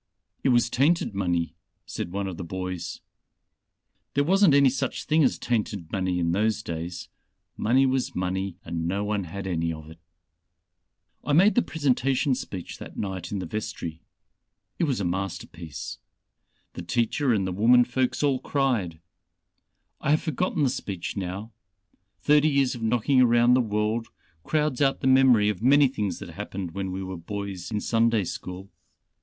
"It was tainted money," said one of the boys. "There wasn't any such thing as tainted money in those days. Money was money and no one had any of it. "I made the presentation speech that night in the vestry. It was a masterpiece. The teacher and the women folks all cried. I have forgotten the speech now; thirty years of knocking around the world crowds out the memory of many things that happened when we were boys in Sunday school.